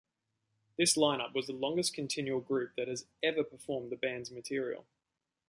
This line-up was the longest continual group that has ever performed the band's material.